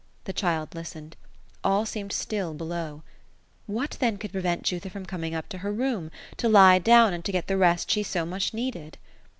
The child listened. All seemed still below. What then could prevent Jutha from coming up to her room, — to Ho down, and to get the rest she so much needed?